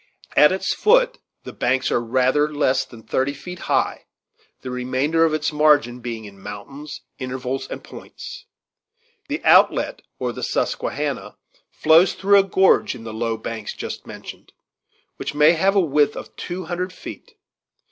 At its foot the banks are rather less than thirty feet high the remainder of its margin being in mountains, intervals, and points. The outlet, or the Susquehanna, flows through a gorge in the low banks just mentioned, which may have a width of two hundred feet.